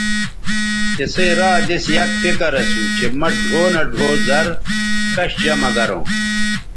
تِسئ را دِس یک فکر اسُو چہء مہ ڙھؤ نہ ڙھؤ زَر کش جمہ گروں